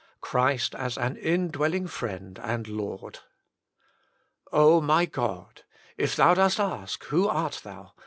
Christ as an indwelling Friend and Lord. Oh! my God! if Thou dost ask, "Who art thou